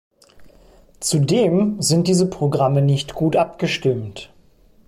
Zudem sind diese Programme nicht gut abgestimmt.